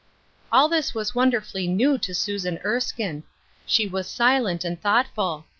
All this was wonderfully new to Susan Erskine. She was silent and thoughtful.